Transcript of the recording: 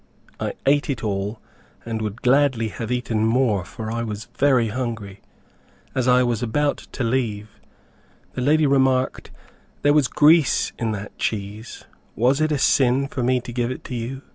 I ate it all, and would gladly have eaten more, for I was very hungry. As I was about to leave, the lady remarked, "There was grease in that cheese, was it a sin for me to give it to you?"